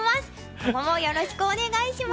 今後もよろしくお願いします。